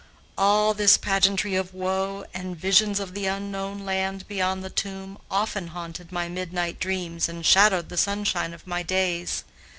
All this pageantry of woe and visions of the unknown land beyond the tomb, often haunted my midnight dreams and shadowed the sunshine of my days.